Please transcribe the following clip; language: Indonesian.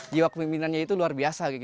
jiwa kemimpinannya itu luar biasa